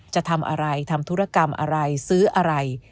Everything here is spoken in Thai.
จะทำอะไรทำธุรกรรมอะไรซื้ออะไร